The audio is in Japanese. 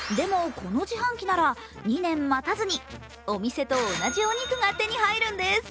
この自販機なら２年待たずにお店と同じお肉が手に入るんです。